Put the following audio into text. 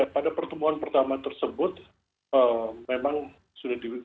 pada pertemuan pertama tersebut